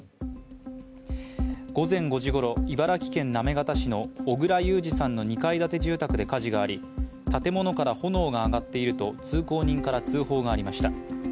午前５時ごろ、茨城県行方市の小倉裕治さんの２階建て住宅で火事があり建物から炎が上がっていると通行人から通報がありました。